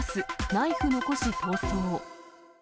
ナイフ残し逃走。